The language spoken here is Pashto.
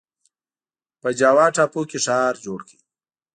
په جاوا ټاپو کې ښار جوړ کړ.